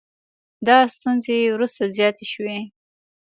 دا ستونزې وروسته زیاتې شوې